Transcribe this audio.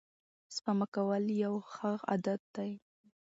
سپما کول یو ښه عادت دی.